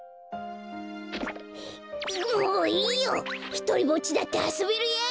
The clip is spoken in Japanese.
ひとりぼっちだってあそべるやい！